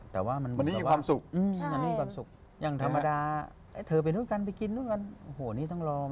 แต่ว่ามันมีความสุขอย่างธรรมดาเธอไปด้วยกันไปกินด้วยกันโอ้โหนี่ต้องรอ